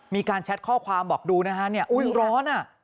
มีการแชทข้อความบอกดูนะฮะอุ๊ยร้อนน่ะ